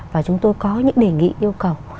và chúng tôi có những đề nghị yêu cầu